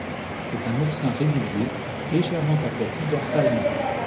C'est un oursin régulier, légèrement aplati dorsalement.